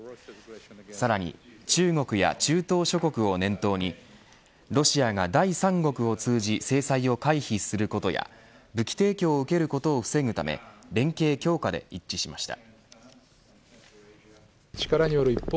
さらに、中国や中東諸国を念頭にロシアが第三国を通じ制裁を回避することや武器提供を受けることを防ぐため連携強化で一致しました。